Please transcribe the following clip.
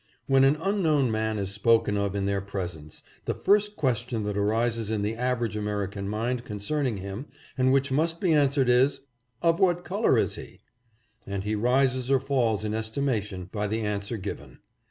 When an unknown man is spoken of in their presence, the first question that arises in the average American mind concerning him and which must be answered is, Of what color is he ? and he rises or falls in estimation by the answer given.